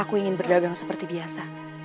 aku ingin berdagang seperti biasa